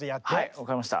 分かりました。